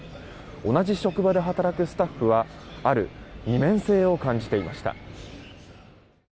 同じ職場で働くスタッフはある二面性を感じていました。